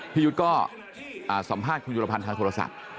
ยุทธ์ก็สัมภาษณ์คุณยุรพันธ์ทางโทรศัพท์